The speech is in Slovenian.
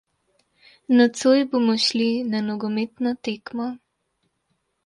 Nocoj bomo šli na nogometno tekmo.